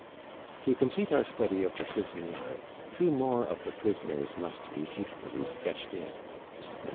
To complete our study of the prison yard, two more of the prisoners must be hastily sketched in.